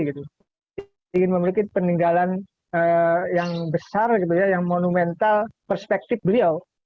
ingin memiliki peninggalan yang besar yang monumental perspektif beliau